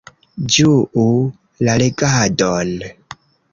Ĝuu la legadon!